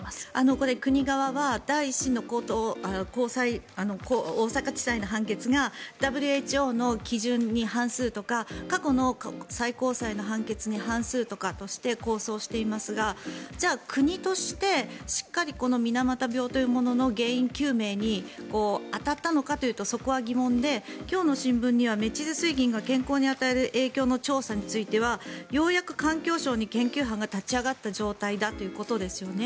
これは国側は第１審の大阪地裁の判決がＷＨＯの基準に反するとか過去の最高裁の判決に反するとして控訴していますがじゃあ、国としてしっかり水俣病というものの原因究明に当たったのかというとそこは疑問で今日の新聞には、メチル水銀が健康に与える調査についてはようやく環境省に研究班が立ち上がった状態だということですよね。